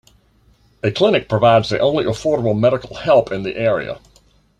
A clinic provides the only affordable medical help in the area.